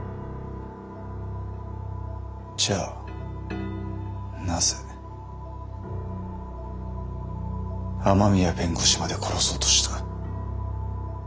じゃあなぜ雨宮弁護士まで殺そうとした？